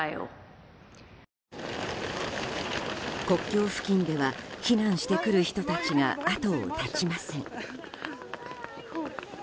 国境付近では避難してくる人たちが後を絶ちません。